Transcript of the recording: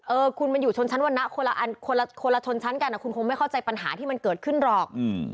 เออคุณมันอยู่ชนชั้นวันนะคนละอันคนละชนชั้นกันคุณคงไม่เข้าใจปัญหาที่มันเกิดขึ้นหรอก